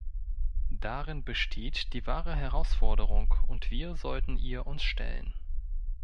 Darin besteht die wahre Herausforderung, und wir sollten ihr uns stellen.